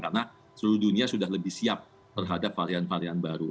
karena seluruh dunia sudah lebih siap terhadap varian varian baru